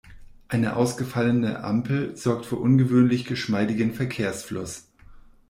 Eine ausgefallene Ampel sorgt für ungewöhnlich geschmeidigen Verkehrsfluss.